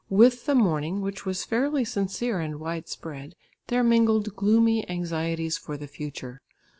With the mourning, which was fairly sincere and widespread, there mingled gloomy anxieties for the future.